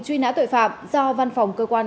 truy nã tội phạm do văn phòng cơ quan